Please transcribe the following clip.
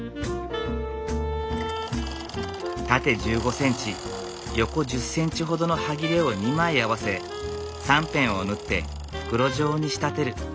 縦１５センチ横１０センチほどのはぎれを２枚合わせ３辺を縫って袋状に仕立てる。